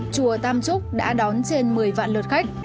chùa tam trúc đã đón trên một mươi vạn lượt khách